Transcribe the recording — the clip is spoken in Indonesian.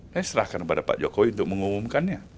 saya serahkan kepada pak jokowi untuk mengumumkannya